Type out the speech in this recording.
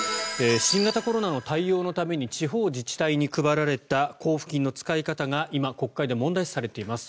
新型コロナの対応のために地方自治体に配られた交付金の使い方が今、国会で問題視されています。